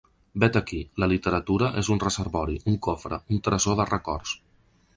Vet aquí: la literatura és un reservori, un cofre, un tresor de records.